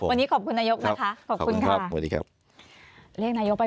วันนี้ขอบคุณนายกนะคะ